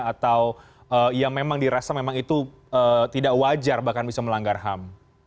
atau ya memang dirasa memang itu tidak wajar bahkan bisa melanggar ham